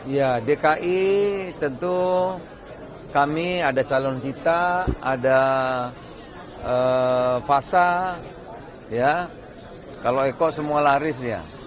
ya dki tentu kami ada calon kita ada fasa ya kalau eko semua laris ya